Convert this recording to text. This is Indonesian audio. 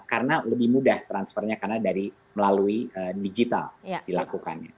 karena lebih mudah transfernya karena dari melalui digital dilakukannya